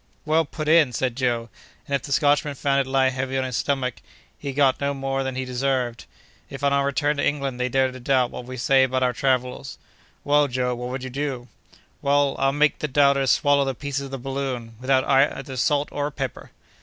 '" "Well put in!" said Joe, "and if the Scotchman found it lie heavy on his stomach, he got no more than he deserved. If, on our return to England, they dare to doubt what we say about our travels—" "Well, Joe, what would you do?" "Why, I'll make the doubters swallow the pieces of the balloon, without either salt or pepper!"